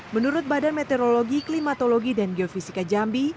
menurut badan meteorologi klimatologi dan geofisika jambi